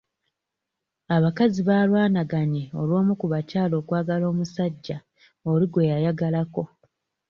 Abakazi baalwanaganye lw'omu ku bakyala okwagala omusajja oli gwe yayagala ko.